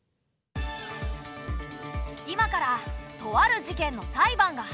今からとある事件の裁判が始まる。